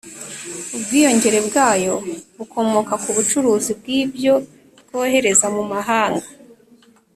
ubwiyongere bwayo bukomoka ku bucuruzi bw'ibyo twohereza mu mahanga